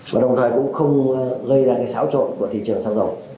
và đồng thời cũng không gây ra cái xáo trộn của thị trường xăng dầu